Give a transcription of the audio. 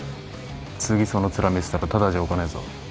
次そのツラ見せたらただじゃおかねえぞ。